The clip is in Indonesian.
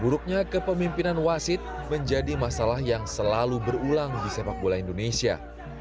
buruknya kepemimpinan wasit menjadi masalah yang selalu berulang di sepak bola indonesia